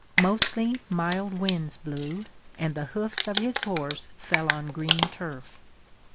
Mostly mild winds blew and the hoofs of his horse fell on green turf.